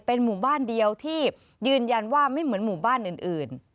เป็นหมู่บ้านเดียวที่ยืนยันว่าไม่เหมือนหมู่บ้านอื่น